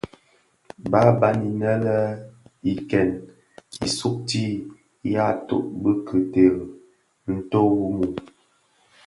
Bààban inë le i ken, i sugtii, yaa tôg bì ki teri ntó wu mum.